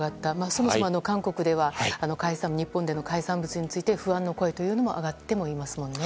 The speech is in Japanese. そもそも韓国では日本での海産物について不安の声というのも上がってもいますよね。